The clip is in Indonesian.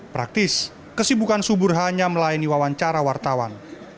praktis kesibukan subur hanya melayani wawancara wartawan